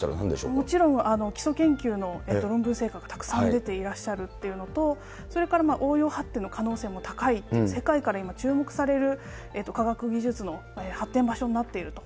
もちろん、基礎研究のがたくさん出ていらっしゃるっていうのと、それから応用発展の可能性も高いと、世界から今、注目される科学技術の発展場所になっていると。